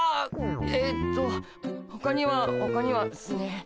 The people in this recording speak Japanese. えっとほかにはほかにはっすね